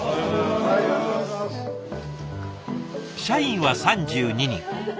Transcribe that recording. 社員は３２人。